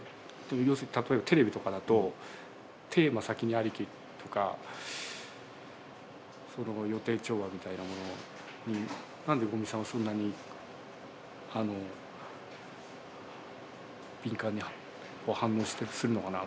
要するに例えばテレビとかだとテーマ先にありきとかその予定調和みたいなものに何で五味さんはそんなにあの敏感に反応したりするのかなと思ったんですけど。